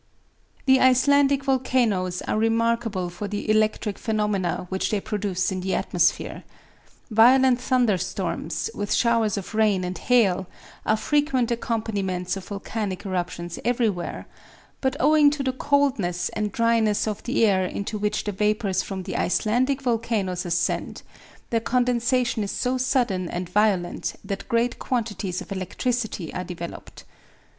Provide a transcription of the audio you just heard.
The Icelandic volcanoes are remarkable for the electric phenomena which they produce in the atmosphere. Violent thunder storms, with showers of rain and hail, are frequent accompaniments of volcanic eruptions everywhere; but owing to the coldness and dryness of the air into which the vapors from the Icelandic volcanoes ascend, their condensation is so sudden and violent that great quantities of electricity are developed.